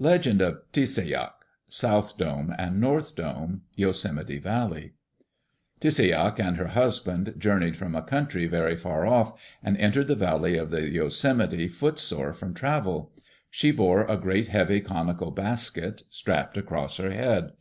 Legend of Tis Se' Yak (South Dome and North Dome) Yosemite Valley Tisseyak and her husband journeyed from a country very far off, and entered the valley of the Yosemite foot sore from travel. She bore a great heavy conical basket, strapped across her head.